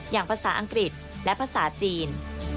ภาษาอังกฤษและภาษาจีน